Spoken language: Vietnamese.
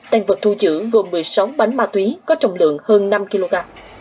đang vượt thu chữ gồm một mươi sáu bánh ma túy có trọng lượng hơn năm kg